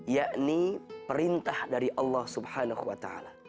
yakni perintah dari allah swt